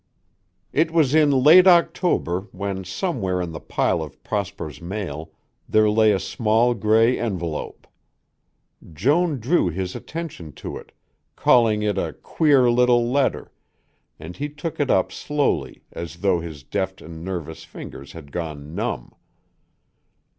It was in late October when, somewhere in the pile of Prosper's mail, there lay a small gray envelope. Joan drew his attention to it, calling it a "queer little letter," and he took it up slowly as though his deft and nervous fingers had gone numb.